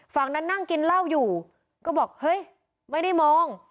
ฝั่งนั้นนั่งกินเหล้าอยู่ก็บอกเฮ้ยไม่ได้มอง